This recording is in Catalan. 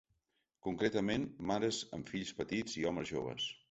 Concretament, mares amb fills petits i homes joves.